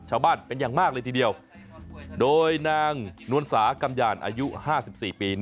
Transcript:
ชาวบ้านเป็นอย่างมากเลยทีเดียวโดยนางนวลสากำยานอายุ๕๔ปี